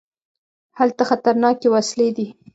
هلته خطرناکې وسلې دي.